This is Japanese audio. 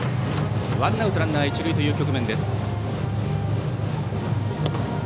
ワンアウトランナー、一塁という局面です。